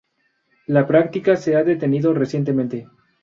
La práctica se ha detenido recientemente.